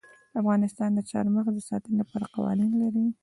افغانستان د چار مغز د ساتنې لپاره قوانین لري.